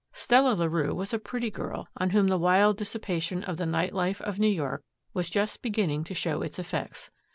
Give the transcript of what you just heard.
Stella Larue was a pretty girl on whom the wild dissipation of the night life of New York was just beginning to show its effects.